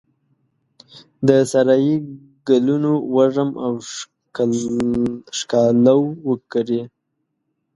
د سارایې ګلونو وږم او ښکالو وکرې